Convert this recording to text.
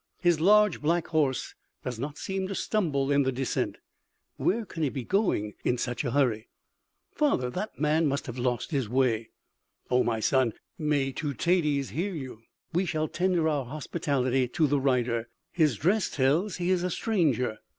"His large black horse does not seem to stumble in the descent.... Where can he be going in such a hurry?" "Father, the man must have lost his way." "Oh, my son, may Teutates hear you! We shall tender our hospitality to the rider. His dress tells he is a stranger.